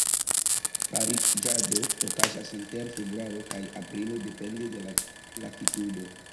Pariĝado okazas inter februaro kaj aprilo, depende de la latitudo.